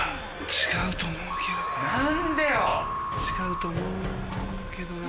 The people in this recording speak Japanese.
違うと思うけどな。